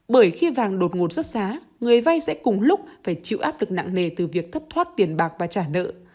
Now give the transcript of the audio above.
bởi khi vàng đột ngột xuất giá người vay sẽ cùng lúc phải chịu áp lực nặng nề từ việc thất thoát tiền bạc và trả nợ